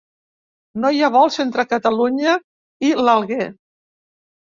No hi ha vols entre Catalunya i l'Alguer